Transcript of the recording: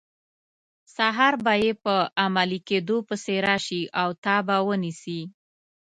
سهار به یې په عملي کیدو پسې راشي او تا به ونیسي.